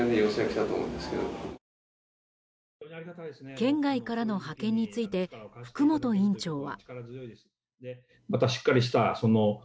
県外からの派遣について福本院長は。